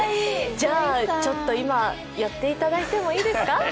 ちょっと今、やっていただいてもいいですか？